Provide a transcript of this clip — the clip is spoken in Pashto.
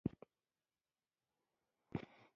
ښه، نو ته بايد دا په یاد ولري چي...